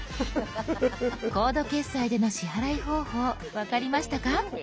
コード決済での支払い方法分かりましたか？